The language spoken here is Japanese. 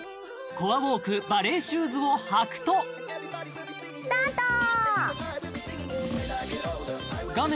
コアウォークバレエシューズを履くとスタート画面